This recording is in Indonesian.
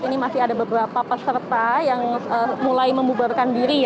ini masih ada beberapa peserta yang mulai membubarkan diri